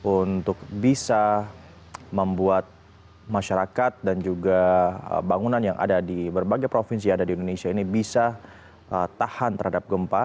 untuk bisa membuat masyarakat dan juga bangunan yang ada di berbagai provinsi yang ada di indonesia ini bisa tahan terhadap gempa